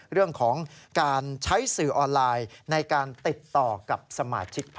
เรื่องของการใช้สื่อออนไลน์ในการติดต่อกับสมาชิกพัก